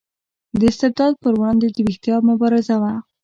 د استبداد پر وړاندې د ویښتیا مبارزه وه.